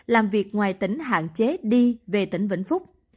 làm việc ngoài tỉnh hạn chế đi về tỉnh vĩnh phúc